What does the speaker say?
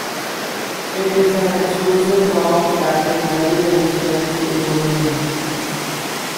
It is an extrusive rock that is very resistant to erosion.